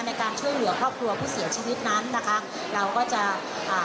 ในการช่วยเหลือครอบครัวผู้เสียชีวิตนั้นนะคะเราก็จะอ่า